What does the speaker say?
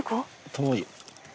遠い。